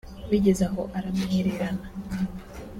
Bigeze aho aramwihererana